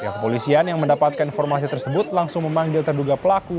kepolisian yang mendapatkan informasi tersebut langsung memanggil terduga pelaku